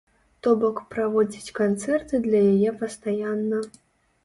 То бок, праводзіць канцэрты для яе пастаянна.